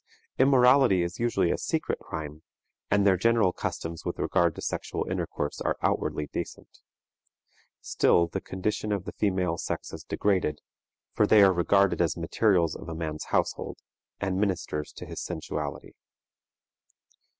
Immorality is usually a secret crime, and their general customs with regard to sexual intercourse are outwardly decent. Still the condition of the female sex is degraded, for they are regarded as materials of a man's household, and ministers to his sensuality.